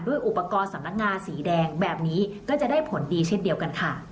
อุปกรณ์สำนักงานสีแดงแบบนี้ก็จะได้ผลดีเช่นเดียวกันค่ะ